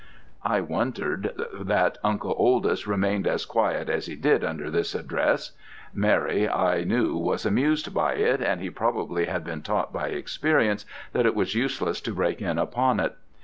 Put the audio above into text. "I wondered that Uncle Oldys remained as quiet as he did under this address. Mary, I knew, was amused by it, and he probably had been taught by experience that it was useless to break in upon it.